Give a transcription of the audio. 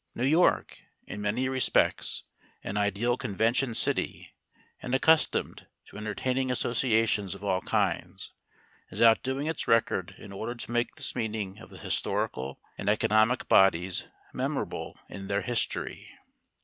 New York, in many respects an ideal convention city, and accustomed to entertaining associations of all kinds, is outdoing its record in order to make this meeting of the historical and economic bodies memorable in their history.